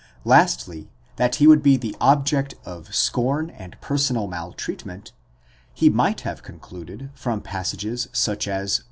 lastly, that he would be the object of scorn and personal maltreatment, he might have concluded from passages such as v.